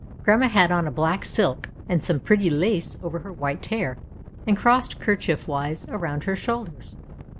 Grandma had on a black silk, and some pretty lace over her white hair and crossed kerchief wise around her shoulders.